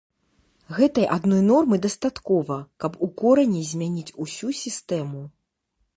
Гэтай адной нормы дастаткова, каб у корані змяніць усю сістэму.